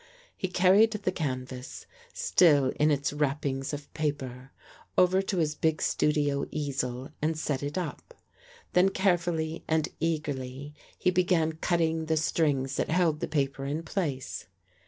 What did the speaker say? " He carried the canvas, still in its wrappings of paper, over to his big studio easel and set it up. Then carefully and eagerly, he began cutting the strings that held the paper in place.